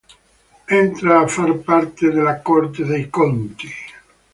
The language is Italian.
Entra a far parte della Corte dei conti.